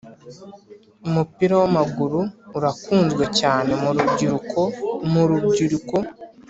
umupira wamaguru urakunzwe cyane murubyiruko mu rubyiruko